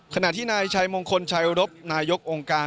ขณะที่นายชัยมงคลชัยรบนายกองค์การ